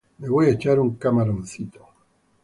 Me voy a echar un camaroncito